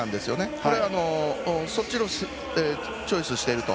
これは、そっちをチョイスしていると。